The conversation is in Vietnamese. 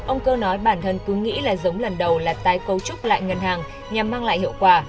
ông cơ nói bản thân cứ nghĩ là giống lần đầu là tái cấu trúc lại ngân hàng nhằm mang lại hiệu quả